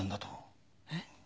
えっ？